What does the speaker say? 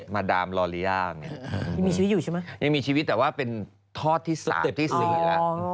มาดามลอริยาไงยังมีชีวิตอยู่ใช่ไหมยังมีชีวิตแต่ว่าเป็นทอดที่๓ที่๔แล้ว